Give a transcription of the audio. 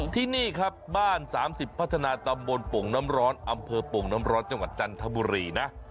ที่นี่ครับบ้าน๓๐พัฒนาตำบลโป่งน้ำร้อนอำเภอโป่งน้ำร้อนจังหวัดจันทบุรีนะ